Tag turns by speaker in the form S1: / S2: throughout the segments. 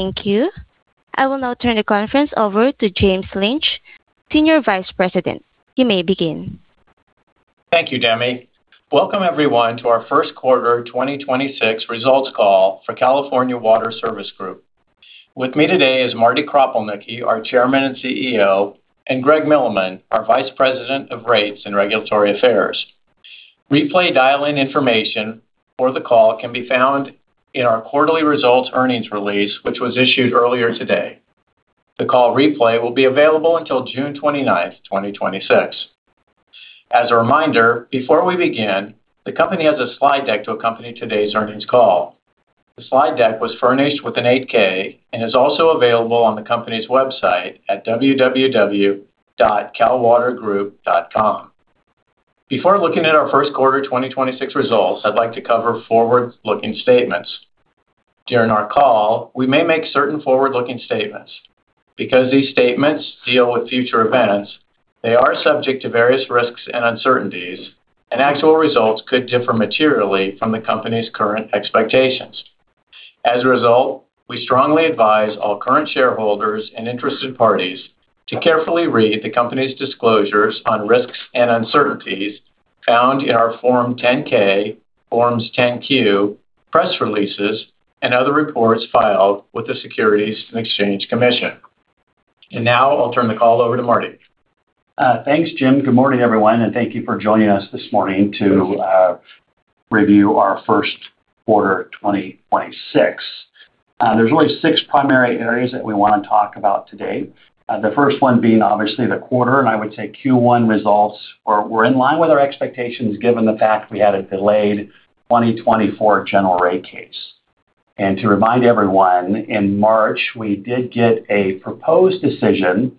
S1: Thank you. I will now turn the conference over to James Lynch, Senior Vice President. You may begin.
S2: Thank you, Demi. Welcome everyone to our Q1 2026 results call for California Water Service Group. With me today is Marty Kropelnicki, our Chairman and CEO, and Greg Milleman, our Vice President of Rates and Regulatory Affairs. Replay dial-in information for the call can be found in our quarterly results earnings release, which was issued earlier today. The call replay will be available until June 29, 2026. As a reminder, before we begin, the company has a slide deck to accompany today's earnings call. The slide deck was furnished with an 8-K and is also available on the company's website at www.calwatergroup.com. Before looking at our first quarter 2026 results, I'd like to cover forward-looking statements. During our call, we may make certain forward-looking statements. Because these statements deal with future events, they are subject to various risks and uncertainties, and actual results could differ materially from the company's current expectations. As a result, we strongly advise all current shareholders and interested parties to carefully read the company's disclosures on risks and uncertainties found in our Form 10-K, Forms 10-Q, press releases, and other reports filed with the Securities and Exchange Commission. Now I'll turn the call over to Marty.
S3: Thanks, Jim. Good morning, everyone, and thank you for joining us this morning to review our Q1 2026. There's really six primary areas that we want to talk about today. The first one being obviously the quarter. I would say Q1 results were in line with our expectations given the fact we had a delayed 2024 General Rate Case. To remind everyone, in March, we did get a Proposed Decision.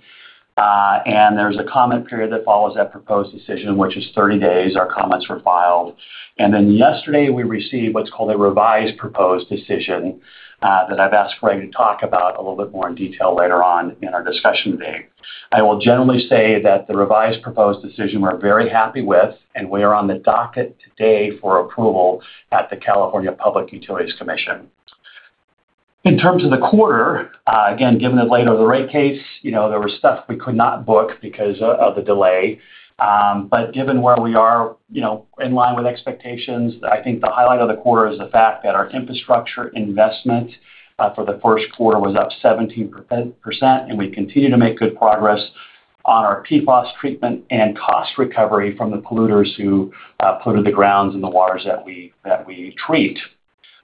S3: There's a comment period that follows that Proposed Decision, which is 30 days. Our comments were filed. Yesterday, we received what's called a revised Proposed Decision that I've asked Greg to talk about a little bit more in detail later on in our discussion today. I will generally say that the revised proposed decision we're very happy with. We are on the docket today for approval at the California Public Utilities Commission. In terms of the quarter, again, given the delay of the rate case, you know, there was stuff we could not book because of the delay. Given where we are, you know, in line with expectations, I think the highlight of the quarter is the fact that our infrastructure investment for the Q1 was up 17%. We continue to make good progress on our PFOS treatment and cost recovery from the polluters who polluted the grounds and the waters that we treat.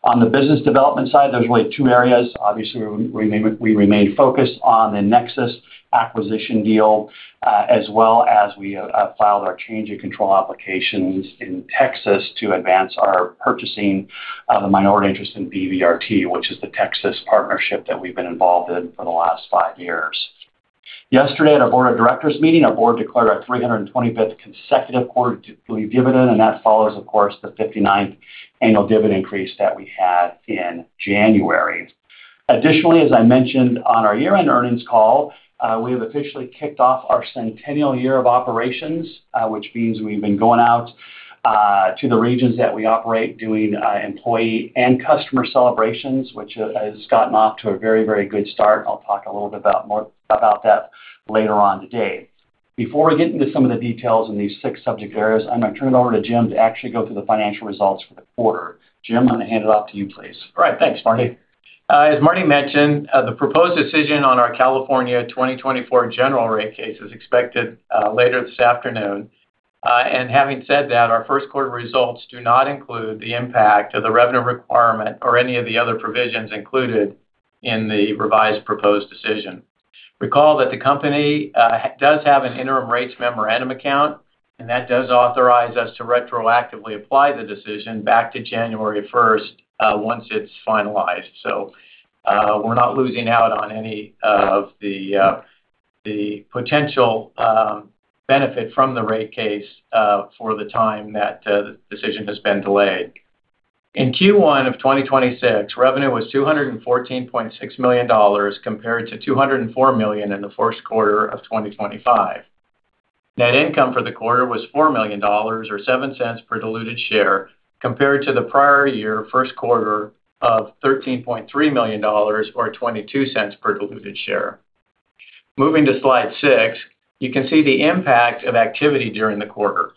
S3: On the business development side, there's really two areas. Obviously, we remain focused on the Nexus acquisition deal, as well as we filed our change in control applications in Texas to advance our purchasing of a minority interest in BVRT, which is the Texas partnership that we've been involved in for the last five years. Yesterday, at our Board of Directors meeting, our Board declared our 325th consecutive quarterly dividend, and that follows, of course, the 59th annual dividend increase that we had in January. Additionally, as I mentioned on our year-end earnings call, we have officially kicked off our centennial year of operations, which means we've been going out to the regions that we operate, doing employee and customer celebrations, which has gotten off to a very, very good start. I'll talk a little bit about that later on today. Before we get into some of the details in these six subject areas, I'm gonna turn it over to Jim to actually go through the financial results for the quarter. Jim, I'm gonna hand it off to you, please.
S2: All right. Thanks, Marty. As Marty mentioned, the proposed decision on our California 2024 General Rate Case is expected later this afternoon. Having said that, our Q1 results do not include the impact of the revenue requirement or any of the other provisions included in the revised proposed decision. Recall that the company does have an Interim Rates Memorandum Account, that does authorize us to retroactively apply the decision back to January 1st once it's finalized. We're not losing out on any of the potential benefit from the rate case for the time that the decision has been delayed. In Q1 of 2026, revenue was $214.6 million compared to $204 million in the Q1 of 2025. Net income for the quarter was $4 million or $0.07 per diluted share, compared to the prior year first quarter of $13.3 million or $0.22 per diluted share. Moving to slide 6, you can see the impact of activity during the quarter.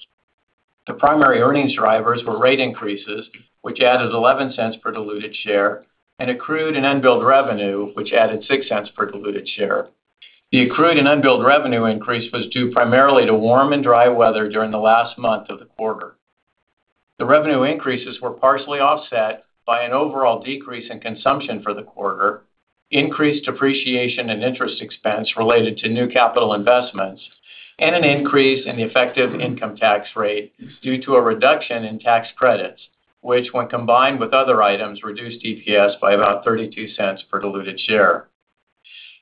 S2: The primary earnings drivers were rate increases, which added $0.11 per diluted share, and accrued and unbilled revenue, which added $0.06 per diluted share. The accrued and unbilled revenue increase was due primarily to warm and dry weather during the last month of the quarter. The revenue increases were partially offset by an overall decrease in consumption for the quarter, increased depreciation and interest expense related to new capital investments, and an increase in the effective income tax rate due to a reduction in tax credits, which when combined with other items, reduced EPS by about $0.32 per diluted share.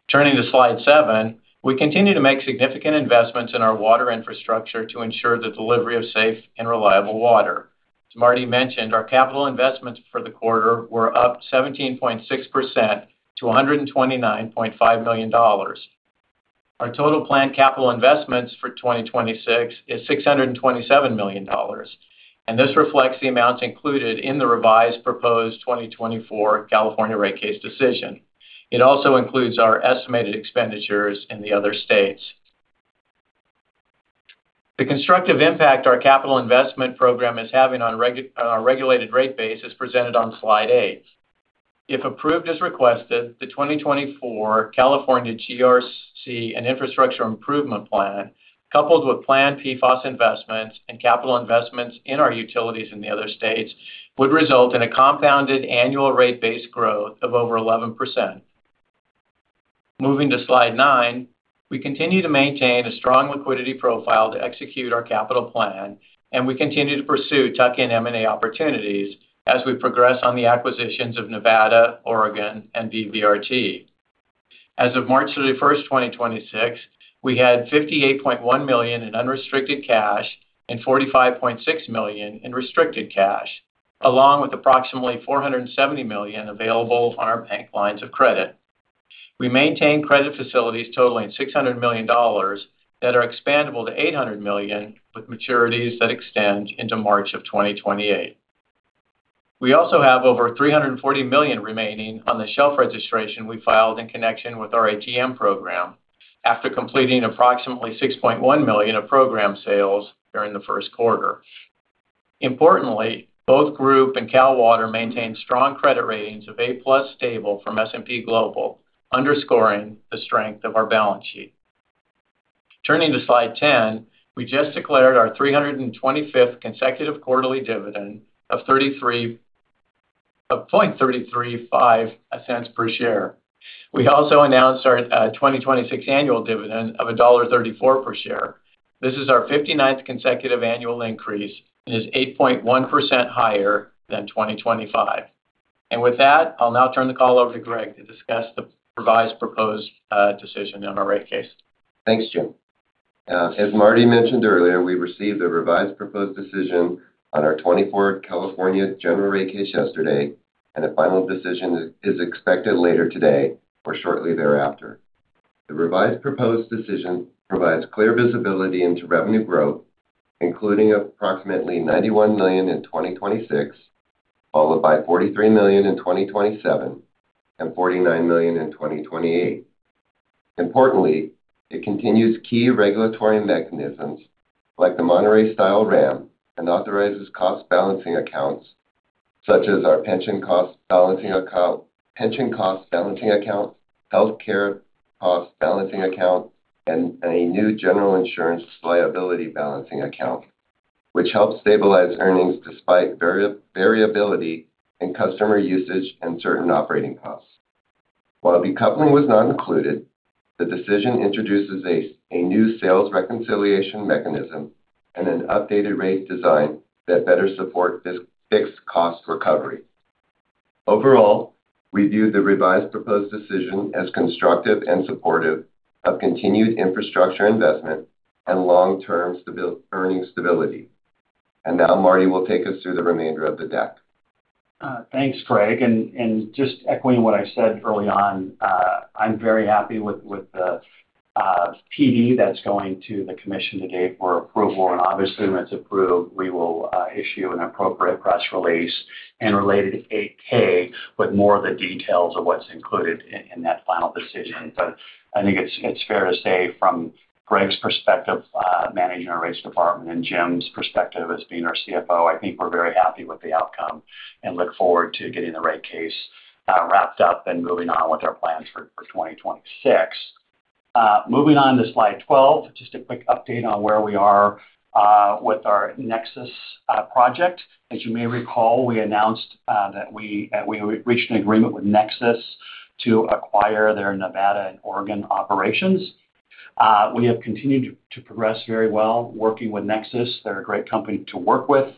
S2: Turning to slide 7, we continue to make significant investments in our water infrastructure to ensure the delivery of safe and reliable water. As Marty mentioned, our capital investments for the quarter were up 17.6% to $129.5 million. Our total planned capital investments for 2026 is $627 million. This reflects the amounts included in the revised proposed 2024 California rate case decision. It also includes our estimated expenditures in the other states. The constructive impact our capital investment program is having on our regulated rate base is presented on slide 8. If approved as requested, the 2024 California GRC and Infrastructure Improvement Plan, coupled with planned PFAS investments and capital investments in our utilities in the other states, would result in a compounded annual rate base growth of over 11%. Moving to slide 9, we continue to maintain a strong liquidity profile to execute our capital plan, and we continue to pursue tuck-in M&A opportunities as we progress on the acquisitions of Nevada, Oregon, and BVRT. As of March 31st, 2026, we had $58.1 million in unrestricted cash and $45.6 million in restricted cash, along with approximately $470 million available on our bank lines of credit. We maintain credit facilities totaling $600 million that are expandable to $800 million, with maturities that extend into March of 2028. We also have over $340 million remaining on the shelf registration we filed in connection with our ATM program after completing approximately $6.1 million of program sales during the Q1. Importantly, both Group and Cal Water maintain strong credit ratings of A+ stable from S&P Global, underscoring the strength of our balance sheet. Turning to slide 10, we just declared our 325th consecutive quarterly dividend of $0.335 per share. We also announced our 2026 annual dividend of $1.34 per share. This is our 59th consecutive annual increase and is 8.1% higher than 2025. With that, I'll now turn the call over to Greg to discuss the revised proposed decision on our rate case.
S4: Thanks, Jim. As Marty mentioned earlier, we received a revised proposed decision on our 24th California General Rate Case yesterday, and a final decision is expected later today or shortly thereafter. The revised proposed decision provides clear visibility into revenue growth, including approximately $91 million in 2026, followed by $43 million in 2027, and $49 million in 2028. Importantly, it continues key regulatory mechanisms like the Monterey-style RAM and authorizes cost balancing accounts such as our Pension Cost Balancing Account, Healthcare Cost Balancing Account, and a new general insurance liability balancing account, which helps stabilize earnings despite variability in customer usage and certain operating costs. While decoupling was not included, the decision introduces a new Sales Reconciliation Mechanism and an updated rate design that better support this fixed cost recovery. Overall, we view the revised proposed decision as constructive and supportive of continued infrastructure investment and long-term earnings stability. Now Marty will take us through the remainder of the deck.
S3: Thanks, Greg. Just echoing what I said early on, I'm very happy with the PD that's going to the commission today for approval. Obviously, when it's approved, we will issue an appropriate press release and related 8-K with more of the details of what's included in that final decision. I think it's fair to say from Greg's perspective, managing our rates department and Jim's perspective as being our CFO, I think we're very happy with the outcome and look forward to getting the rate case wrapped up and moving on with our plans for 2026. Moving on to slide 12, just a quick update on where we are with our Nexus project. As you may recall, we announced that we reached an agreement with Nexus to acquire their Nevada and Oregon operations. We have continued to progress very well working with Nexus. They're a great company to work with.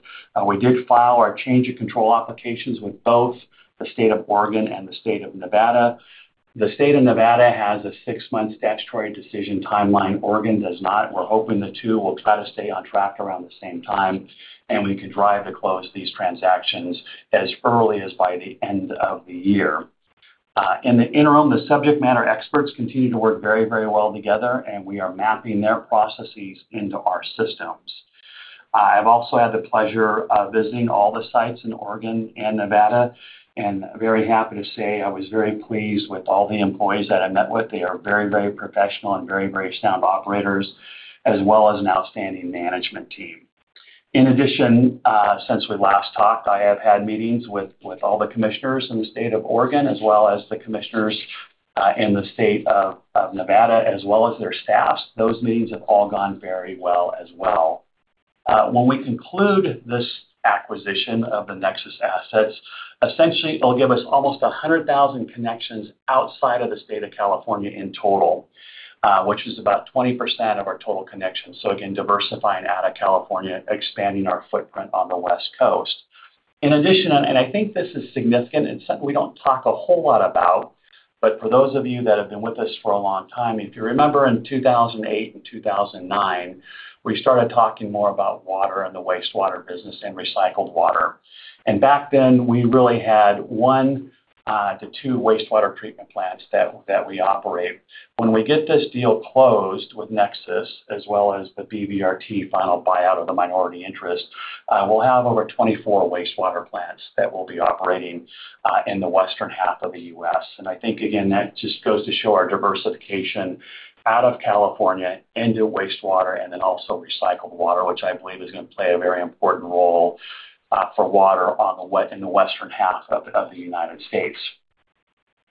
S3: We did file our change in control applications with both the State of Oregon and the State of Nevada. The State of Nevada has a six-month statutory decision timeline. Oregon does not. We're hoping the two will try to stay on track around the same time, and we can drive to close these transactions as early as by the end of the year. In the interim, the subject matter experts continue to work very well together, and we are mapping their processes into our systems. I've also had the pleasure of visiting all the sites in Oregon and Nevada. Very happy to say I was very pleased with all the employees that I met with. They are very, very professional and very, very sound operators, as well as an outstanding management team. Since we last talked, I have had meetings with all the commissioners in the State of Oregon, as well as the commissioners in the State of Nevada, as well as their staffs. Those meetings have all gone very well as well. When we conclude this acquisition of the Nexus assets, essentially it'll give us almost 100,000 connections outside of the State of California in total, which is about 20% of our total connections. Again, diversifying out of California, expanding our footprint on the West Coast. In addition, and I think this is significant and something we don't talk a whole lot about, but for those of you that have been with us for a long time, if you remember in 2008 and 2009, we started talking more about water and the wastewater business and recycled water. Back then, we really had 1 to 2 wastewater treatment plants that we operate. When we get this deal closed with Nexus as well as the BVRT final buyout of the minority interest, we'll have over 24 wastewater plants that will be operating in the western half of the U.S. I think, again, that just goes to show our diversification out of California into wastewater and then also recycled water, which I believe is gonna play a very important role for water in the western half of the U.S.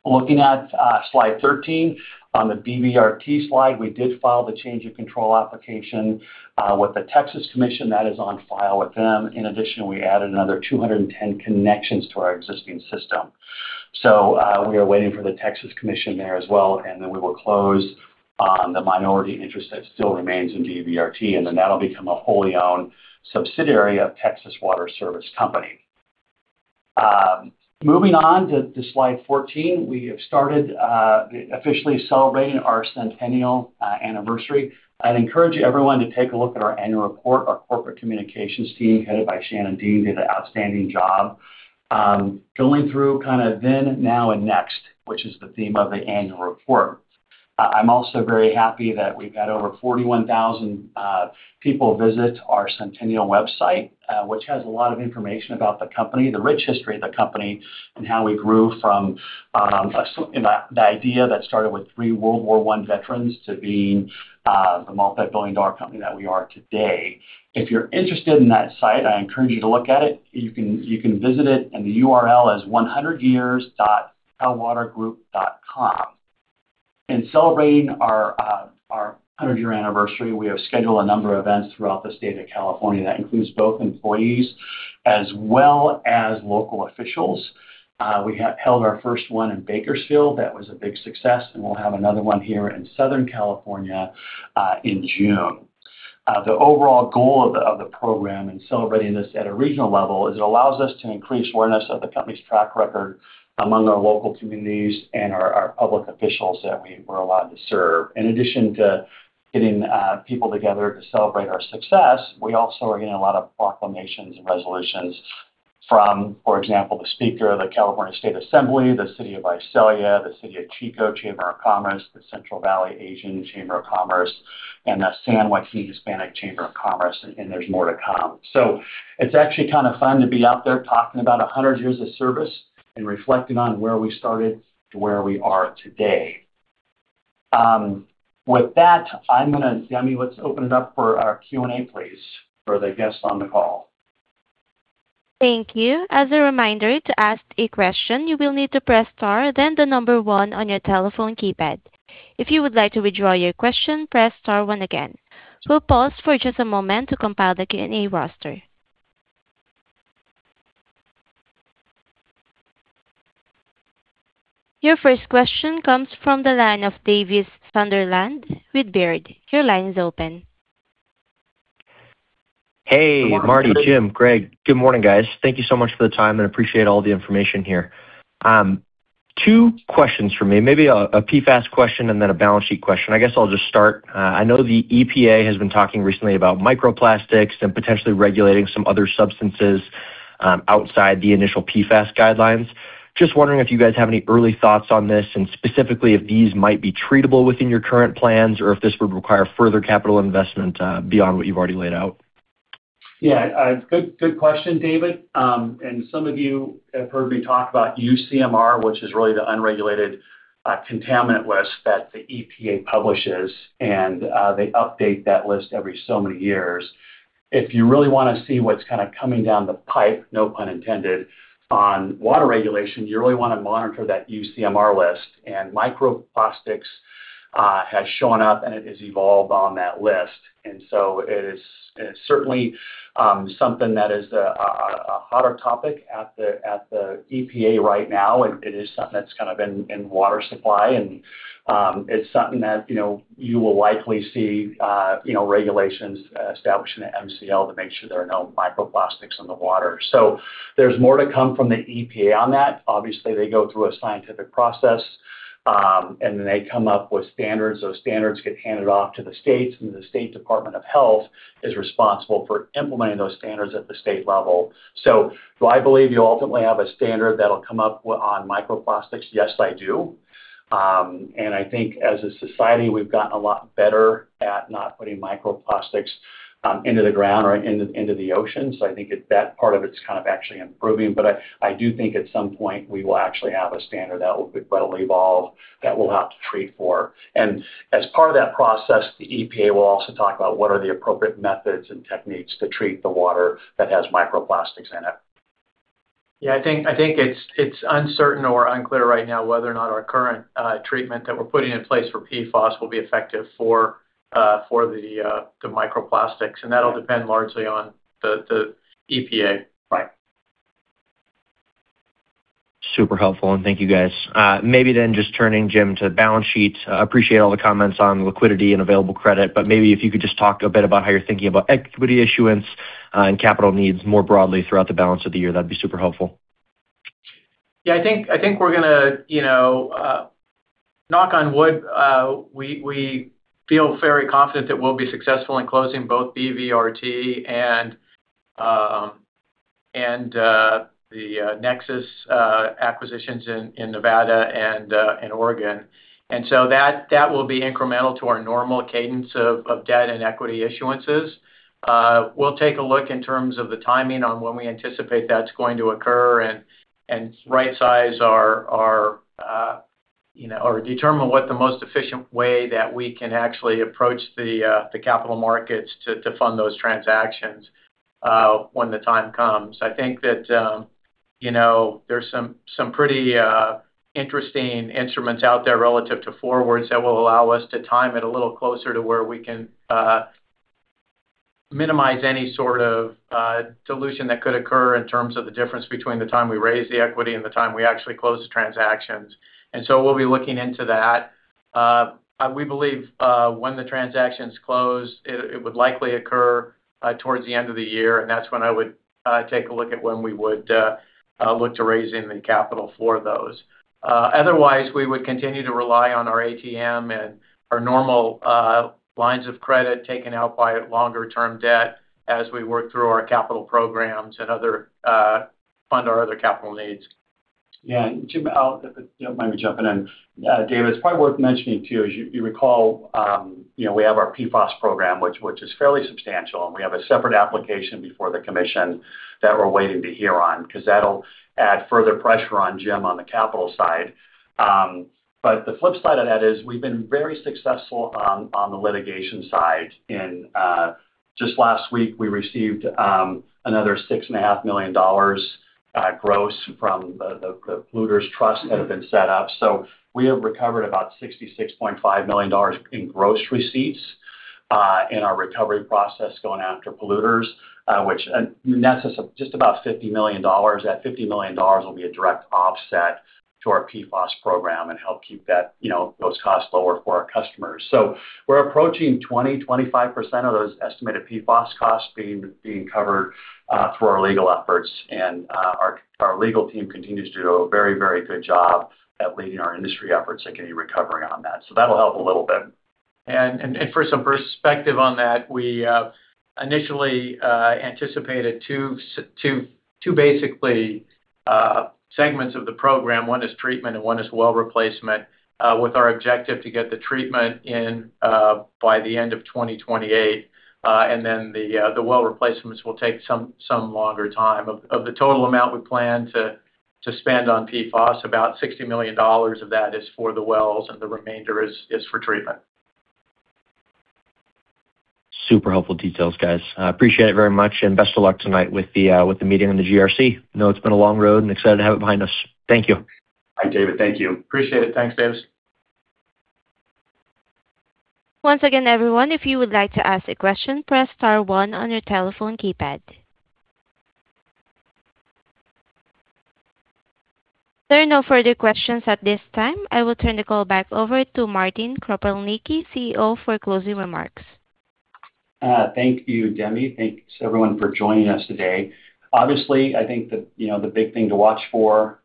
S3: Looking at slide 13, on the BVRT slide, we did file the change of control application with the Texas Commission. That is on file with them. In addition, we added another 210 connections to our existing system. We are waiting for the Texas Commission there as well, and then we will close on the minority interest that still remains in BVRT, and then that will become a wholly owned subsidiary of Texas Water Service. Moving on to slide 14, we have started officially celebrating our centennial anniversary. I'd encourage everyone to take a look at our annual report. Our corporate communications team, headed by Shannon Dean, did an outstanding job, kind of going through then, now, and next, which is the theme of the annual report. I'm also very happy that we've had over 41,000 people visit our centennial website, which has a lot of information about the company, the rich history of the company, and how we grew from the idea that started with three World War I veterans to being the multi-billion dollar company that we are today. If you're interested in that site, I encourage you to look at it. You can visit it, and the URL is 100years.calwatergroup.com. In celebrating our 100-year anniversary, we have scheduled a number of events throughout the state of California. That includes both employees as well as local officials. We have held our first one in Bakersfield. That was a big success, and we'll have another one here in Southern California in June. The overall goal of the program in celebrating this at a regional level is it allows us to increase awareness of the company's track record among our local communities and our public officials that we're allowed to serve. In addition to getting people together to celebrate our success, we also are getting a lot of proclamations and resolutions from, for example, the Speaker of the California State Assembly, the City of Visalia, the City of Chico Chamber of Commerce, the Central Valley Asian-American Chamber of Commerce, and the San Joaquin County Hispanic Chamber of Commerce, and there's more to come. It's actually kind of fun to be out there talking about 100 years of service and reflecting on where we started to where we are today. With that, Demi, let's open it up for our Q&A please for the guests on the call.
S1: Thank you. As a reminder, to ask a question, you will need to press star then the number one on your telephone keypad. If you would like to withdraw your question, press star one again. We'll pause for just a moment to compile the Q&A roster. Your first question comes from the line of Davis Sunderland with Baird. Your line's open.
S5: Hey, Marty, Jim, Greg. Good morning, guys. Thank you so much for the time and appreciate all the information here. Two questions from me. Maybe a PFAS question and then a balance sheet question. I guess I'll just start. I know the EPA has been talking recently about microplastics and potentially regulating some other substances outside the initial PFAS guidelines. Just wondering if you guys have any early thoughts on this and specifically if these might be treatable within your current plans, or if this would require further capital investment beyond what you've already laid out.
S3: Yeah. Good question, Davis. Some of you have heard me talk about UCMR, which is really the unregulated contaminant list that the EPA publishes. They update that list every so many years. If you really wanna see what's kinda coming down the pipe, no pun intended, on water regulation, you really wanna monitor that UCMR list. Microplastics has shown up, and it has evolved on that list. It is certainly something that is a hotter topic at the EPA right now. It is something that's kind of in water supply, and it's something that, you know, you will likely see, you know, regulations establishing an MCL to make sure there are no microplastics in the water. There's more to come from the EPA on that. Obviously, they go through a scientific process, they come up with standards. Those standards get handed off to the states, the state department of health is responsible for implementing those standards at the state level. Do I believe you'll ultimately have a standard that'll come up on microplastics? Yes, I do. I think as a society, we've gotten a lot better at not putting microplastics into the ground or into the ocean, I think that part of it's kind of actually improving. I do think at some point we will actually have a standard that will evolve that we'll have to treat for. As part of that process, the EPA will also talk about what are the appropriate methods and techniques to treat the water that has microplastics in it.
S4: I think it's uncertain or unclear right now whether or not our current treatment that we're putting in place for PFAS will be effective for the microplastics, and that'll depend largely on the EPA.
S3: Right.
S5: Super helpful, and thank you, guys. Maybe just turning, Jim, to the balance sheet. I appreciate all the comments on liquidity and available credit, maybe if you could just talk a bit about how you're thinking about equity issuance, and capital needs more broadly throughout the balance of the year, that'd be super helpful.
S2: I think we're gonna, you know, knock on wood, we feel very confident that we'll be successful in closing both BVRT and Nexus acquisitions in Nevada and in Oregon. That will be incremental to our normal cadence of debt and equity issuances. We'll take a look in terms of the timing on when we anticipate that's going to occur and right-size our, you know, or determine what the most efficient way that we can actually approach the capital markets to fund those transactions when the time comes. I think that, you know, there's some pretty interesting instruments out there relative to forwards that will allow us to time it a little closer to where we can minimize any sort of dilution that could occur in terms of the difference between the time we raise the equity and the time we actually close the transactions. We'll be looking into that. We believe when the transactions close, it would likely occur towards the end of the year, and that's when I would take a look at when we would look to raising the capital for those. Otherwise, we would continue to rely on our ATM and our normal lines of credit taken out by longer-term debt as we work through our capital programs and other fund our other capital needs.
S3: Yeah. Jim, I'll, you know, mind me jumping in. Davis, it's probably worth mentioning too, as you recall, you know, we have our PFAS program, which is fairly substantial, and we have a separate application before the Commission that we're waiting to hear on, 'cause that'll add further pressure on Jim on the capital side. The flip side of that is we've been very successful on the litigation side. Just last week we received another $6.5 million gross from the polluters trust that have been set up. We have recovered about $66.5 million in gross receipts in our recovery process going after polluters, which nets us just about $50 million. That $50 million will be a direct offset to our PFAS program and help keep that, you know, those costs lower for our customers. We're approaching 20%-25% of those estimated PFAS costs being covered through our legal efforts. Our legal team continues to do a very good job at leading our industry efforts that can be recovering on that. That'll help a little bit.
S2: For some perspective on that, we initially anticipated two basically segments of the program. One is treatment and one is well replacement, with our objective to get the treatment in by the end of 2028. The well replacements will take some longer time. Of the total amount we plan to spend on PFAS, about $60 million of that is for the wells, and the remainder is for treatment.
S5: Super helpful details, guys. I appreciate it very much. Best of luck tonight with the meeting and the GRC. I know it's been a long road and excited to have it behind us. Thank you.
S3: Bye, Davis. Thank you.
S2: Appreciate it. Thanks, Davis.
S1: There are no further questions at this time. I will turn the call back over to Martin Kropelnicki, CEO, for closing remarks.
S3: Thank you, Demi. Thanks everyone for joining us today. Obviously, I think the, you know, the big thing to watch for,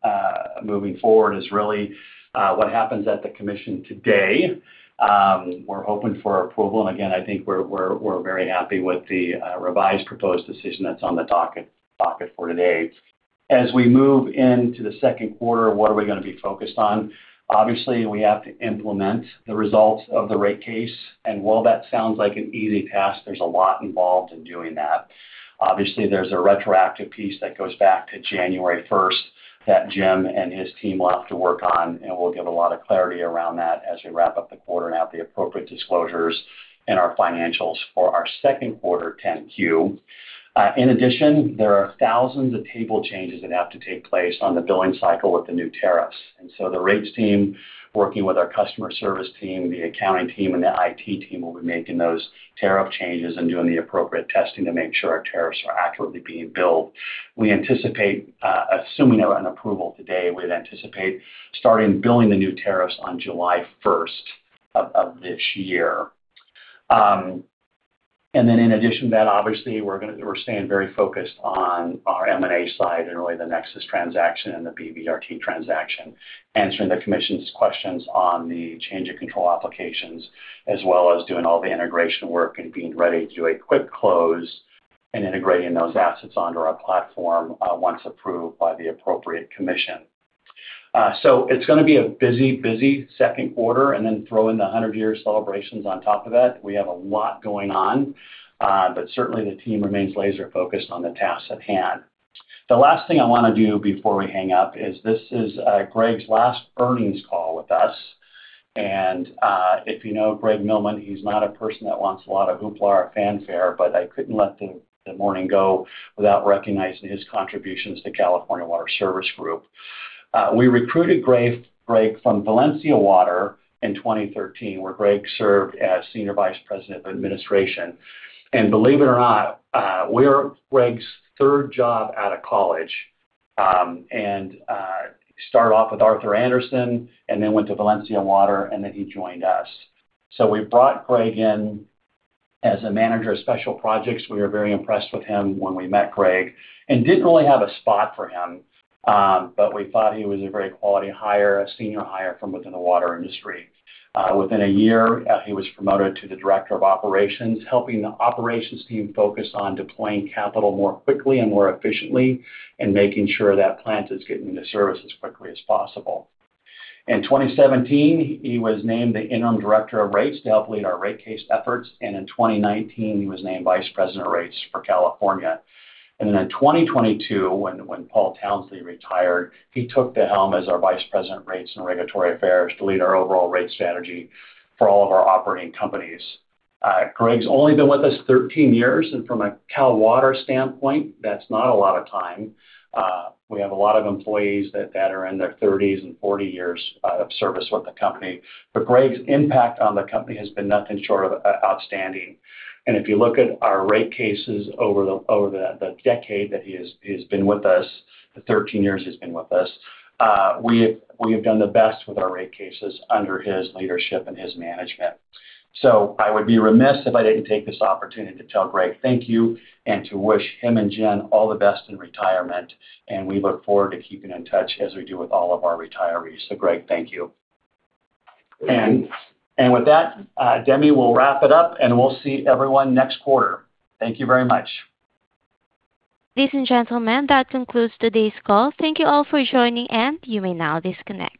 S3: moving forward is really what happens at the Commission today. We're hoping for approval, and again, I think we're very happy with the Revised Proposed Decision that's on the docket for today. As we move into the Q2, what are we gonna be focused on? Obviously, we have to implement the results of the Rate Case, and while that sounds like an easy task, there's a lot involved in doing that. Obviously, there's a retroactive piece that goes back to January 1st that Jim and his team will have to work on, and we'll give a lot of clarity around that as we wrap up the quarter and have the appropriate disclosures in our financials for our Q2 Form 10-Q. In addition, there are thousands of table changes that have to take place on the billing cycle with the new tariffs. The rates team, working with our customer service team, the accounting team, and the IT team will be making those tariff changes and doing the appropriate testing to make sure our tariffs are accurately being billed. We anticipate, assuming an approval today, we'd anticipate starting billing the new tariffs on July 1st of this year. In addition to that, obviously we're staying very focused on our M&A side and really the Nexus transaction and the BVRT transaction, answering the commission's questions on the change in control applications, as well as doing all the integration work and being ready to do a quick close and integrating those assets onto our platform once approved by the appropriate commission. It's gonna be a busy Q2 and then throw in the 100 year celebrations on top of that. We have a lot going on, but certainly the team remains laser focused on the tasks at hand. The last thing I wanna do before we hang up is, this is Greg's last earnings call with us. If you know Greg Milleman, he's not a person that wants a lot of hoopla or fanfare, but I couldn't let the morning go without recognizing his contributions to California Water Service Group. We recruited Greg from Valencia Water in 2013, where Greg served as Senior Vice President of Administration. Believe it or not, we're Greg's third job out of college. Started off with Arthur Andersen and then went to Valencia Water, and then he joined us. We brought Greg in as a manager of special projects. We were very impressed with him when we met Greg and didn't really have a spot for him, but we thought he was a very quality hire, a senior hire from within the water industry. Within one year, he was promoted to the Director of Operations, helping the operations team focus on deploying capital more quickly and more efficiently and making sure that plant is getting into service as quickly as possible. In 2017, he was named the Interim Director of Rates to help lead our rate case efforts. In 2019, he was named Vice President of Rates for California. In 2022, when Paul Townsley retired, he took the helm as our Vice President of Rates and Regulatory Affairs to lead our overall rate strategy for all of our operating companies. Greg's only been with us 13 years, and from a Cal Water standpoint, that's not a lot of time. We have a lot of employees that are in their thirties and 40 years of service with the company. Greg's impact on the company has been nothing short of outstanding. If you look at our rate cases over the decade that he's been with us, the 13 years he's been with us, we have done the best with our rate cases under his leadership and his management. I would be remiss if I didn't take this opportunity to tell Greg thank you and to wish him and Jen all the best in retirement. We look forward to keeping in touch as we do with all of our retirees. Greg, thank you.
S4: Thank you.
S3: With that, Demi, we'll wrap it up, and we'll see everyone next quarter. Thank you very much.
S1: Ladies and gentlemen, that concludes today's call. Thank you all for joining, and you may now disconnect.